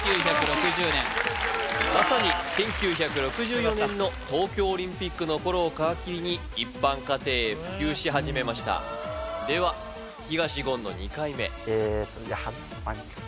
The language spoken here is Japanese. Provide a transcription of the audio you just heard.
１９６０年まさに１９６４年の東京オリンピックの頃を皮切りに一般家庭へ普及し始めましたでは東言の２回目えーとはずし